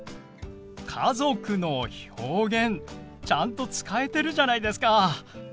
家族の表現ちゃんと使えてるじゃないですか！